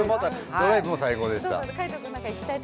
ドライブも最高でした。